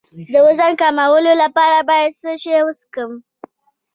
د وزن کمولو لپاره باید څه شی وڅښم؟